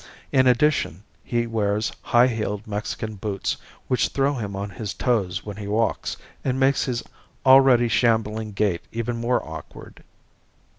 In addition he wears high heeled Mexican boots which throw him on his toes when he walks and makes his already shambling gait even more awkward.